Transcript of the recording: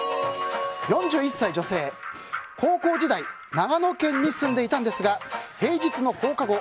４１歳女性、高校時代長野県に住んでいたんですが平日の放課後